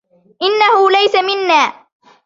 إنه ليس منّا.